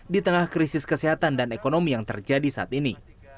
di tengah krisis kesehatan dan ekonomi yang terjadi saat ini